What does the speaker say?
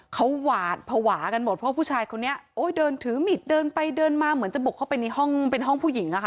เขาหวาดภาวะกันหมดเพราะผู้ชายคนนี้โอ้ยเดินถือมิดเดินไปเดินมาเหมือนจะบุกเข้าไปในห้องเป็นห้องผู้หญิงอะค่ะ